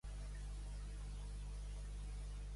Portar-ne un got massa.